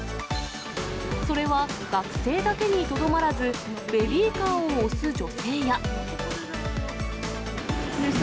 それは、学生だけにとどまらず、ベビーカーを押す女性や。